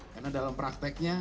karena dalam prakteknya